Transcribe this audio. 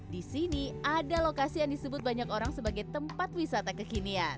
di sini ada lokasi yang disebut banyak orang sebagai tempat wisata kekinian